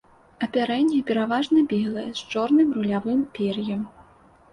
Апярэнне пераважна белае з чорным рулявым пер'ем.